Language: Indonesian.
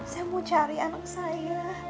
saya mau cari anak saya